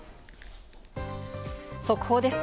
速報です。